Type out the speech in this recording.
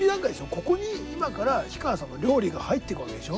ここに今から氷川さんの料理が入っていくわけでしょ？